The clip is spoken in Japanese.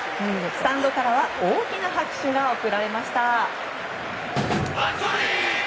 スタンドからは大きな拍手が送られました。